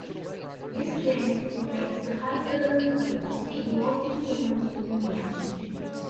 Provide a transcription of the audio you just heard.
This trend reflects the high level of complexity involved in human gene regulation.